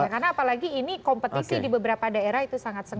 karena apalagi ini kompetisi di beberapa daerah itu sangat sengit